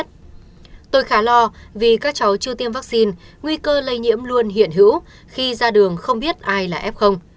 tôi khá lo vì các cháu chưa tiêm vaccine nguy cơ lây nhiễm luôn hiện hữu khi ra đường không biết ai là f